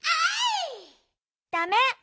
ダメ！